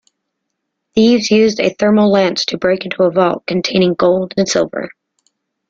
Thieves used a thermal lance to break into a vault containing gold and silver.